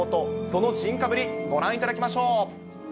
その進化ぶり、ご覧いただきましょう。